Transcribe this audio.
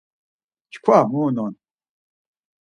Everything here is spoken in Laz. Çkva mu unon?